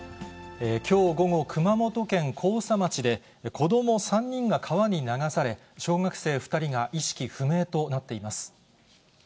きょう午後、熊本県甲佐町で、子ども３人が川に流され、小学生２人が意識不明となっています。